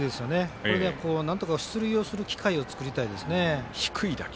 これでなんとか出塁する機会を作りたいですね。